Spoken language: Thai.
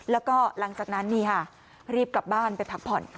แล้วก็หลังจากนั้นนี่ค่ะรีบกลับบ้านไปพักผ่อน